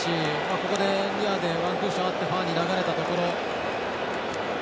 ここで、ニアでワンクッションあってファーに流れたところ。